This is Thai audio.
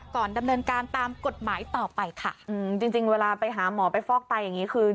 ก่อนดำเนินการตามกฎหมายต่อไปค่ะอืมจริงจริงเวลาไปหาหมอไปฟอกไตอย่างงี้คือ